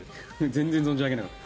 全然存じ上げなかった。